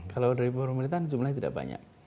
kalau dari pemerintahan jumlahnya tidak banyak